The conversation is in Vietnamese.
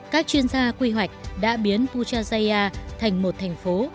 các chuyên gia quy hoạch đã biến puchaya thành một thành phố